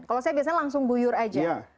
kalau saya biasanya langsung guyur aja